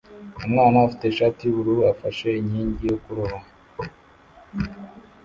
Umwana ufite ishati yubururu afashe inkingi yo kuroba